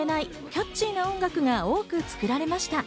キャッチーな音楽が多く作られました。